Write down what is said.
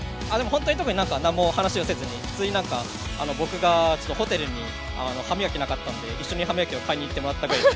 特に何も話をせず、僕がホテルに歯磨きなかったんで、一緒に歯磨き買ってもらったぐらいで。